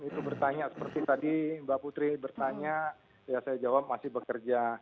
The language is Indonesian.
itu bertanya seperti tadi mbak putri bertanya ya saya jawab masih bekerja